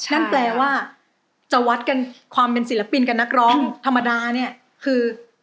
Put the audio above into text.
นั่นแปลว่าจะวัดกันความเป็นศิลปินกับนักร้องธรรมดาเนี่ยคือ